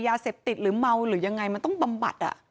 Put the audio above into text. ยาเสพติดหรือเมาหรือยังไงมันต้องบำบัด